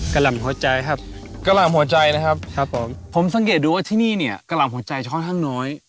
หล่ำหัวใจครับกะหล่ำหัวใจนะครับครับผมผมสังเกตดูว่าที่นี่เนี่ยกะหล่ำหัวใจค่อนข้างน้อย